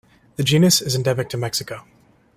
The genus is endemic to Mexico.